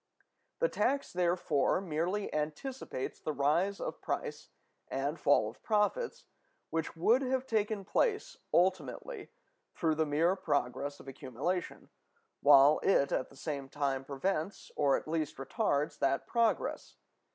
The tax, therefore, merely anticipates the rise of price and fall of profits which would have taken place ultimately through the mere progress of accumulation, while it at the same time prevents, or at least retards, that progress.